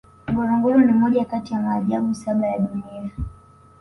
ngorongoro ni moja kati ya maajabu saba ya dunia